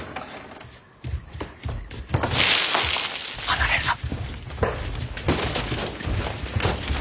離れるな。